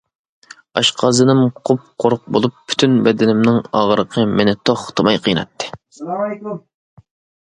ئاشقازىنىم قۇپقۇرۇق بولۇپ پۈتۈن بەدىنىمنىڭ ئاغرىقى مېنى توختىماي قىينايتتى.